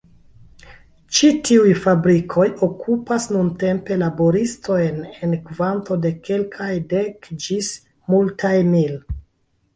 Ĉi tiuj fabrikoj okupas nuntempe laboristojn en kvanto de kelkaj dek ĝis multaj mil.